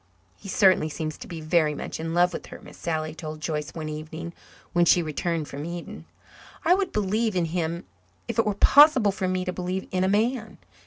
"He certainly seems to be very much in love with her," Miss Sally told Joyce one evening when she returned from Eden. "I would believe in him if it were possible for me to believe in a man.